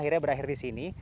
akhirnya berakhir di sini